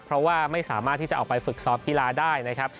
เพราะว่าไม่สามารถที่จะออกไปฝึกซ้อมกีฬาได้นะครับ